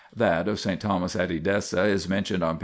That of S. Thomas at Edessa is mentioned on p.